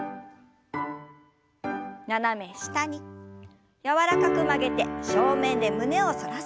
斜め下に柔らかく曲げて正面で胸を反らせます。